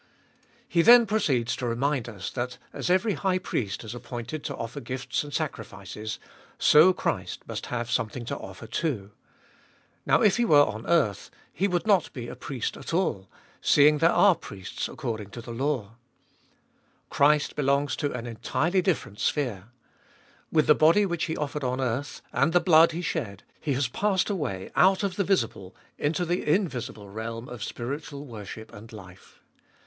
He then proceeds to remind us, that as every high priest is 204 abe Doliest of 2111 appointed to offer gifts and sacrifices, so Christ must have some thing to offer too. Now if He were on earth, He would not be a priest at all, seeing there are priests according to the law. Christ belongs to an entirely different sphere. With the body which He offered on earth, and the blood He shed, He has passed away out of the visible into the invisible realm of spiritual worship and life.